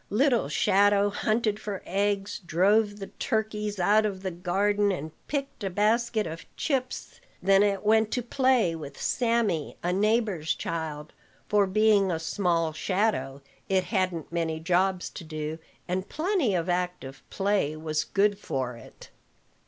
Little shadow hunted for eggs, drove the turkeys out of the garden, and picked a basket of chips: then it went to play with Sammy, a neighbor's child; for, being a small shadow, it hadn't many jobs to do, and plenty of active play was good for it.